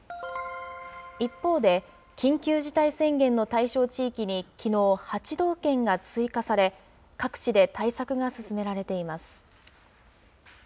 一方で、緊急事態宣言の対象地域にきのう、８道県が追加され、各地で対策が進められています。